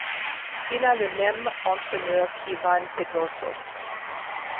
Il a le même entraîneur qu'Iván Pedroso.